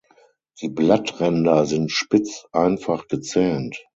Die Blattränder sind spitz einfach gezähnt.